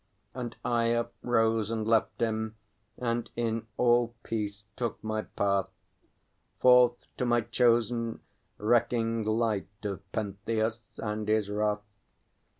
And I uprose and left him, and in all peace took my path Forth to my Chosen, recking light of Pentheus and his wrath.